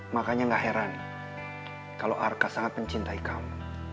makanya gak heran kalau arka sangat mencintai kamu